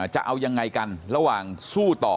จะเอายังไงกันระหว่างสู้ต่อ